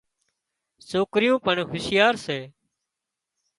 سوڪريو پڻ هوشيارا سي